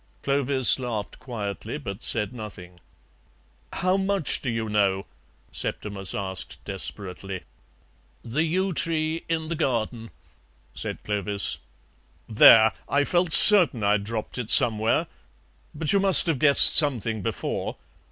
Clovis laughed quietly, but said nothing. "How much do you know?" Septimus asked desperately. "The yew tree in the garden," said Clovis. "There! I felt certain I'd dropped it somewhere. But you must have guessed something before.